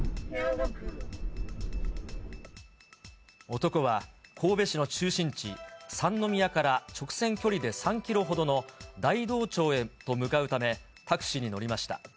男は神戸市の中心地、三宮から直線距離で３キロほどの大同町へと向かうため、タクシーに乗りました。